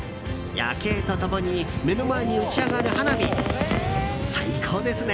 夜景と共に目の前に打ち上がる花火最高ですね。